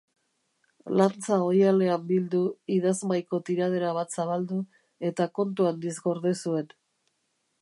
Lantza oihalean bildu, idazmahaiko tiradera bat zabaldu eta kontu handiz gorde zuen.